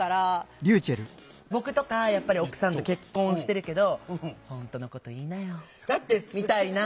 僕とか奥さんと結婚してるけど「本当のこと言いなよ」みたいな。